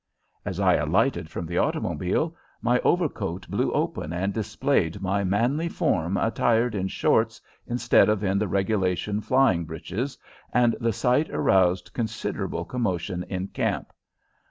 As I alighted from the automobile my overcoat blew open and displayed my manly form attired in "shorts" instead of in the regulation flying breeches, and the sight aroused considerable commotion in camp.